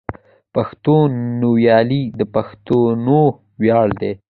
پښتونولي د پښتنو ویاړ ده.